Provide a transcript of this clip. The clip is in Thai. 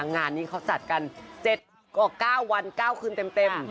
งานนี้เขาจัดกัน๗กว่า๙วัน๙คืนเต็ม